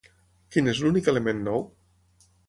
Quin és l'únic element nou?